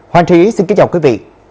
hoàng trí xin kính chào quý vị